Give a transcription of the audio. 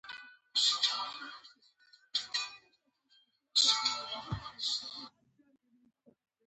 یو تور بکس هم ورسره و.